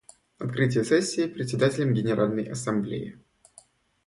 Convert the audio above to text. Открытие сессии Председателем Генеральной Ассамблеи.